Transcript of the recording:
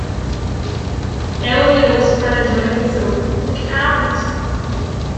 Ela virou-se para John e gritou? "Look Out!"